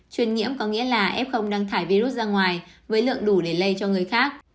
truyền nhiễm có nghĩa là f đang thải virus ra ngoài với lượng đủ để lê cho người khác